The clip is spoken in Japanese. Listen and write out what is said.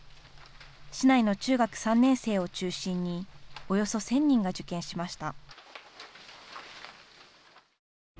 市内の中学３年生を中心におよそ１０００人が受験しました。